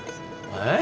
えっ？